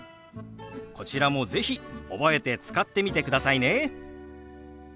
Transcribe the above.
こちらも是非覚えて使ってみてくださいね。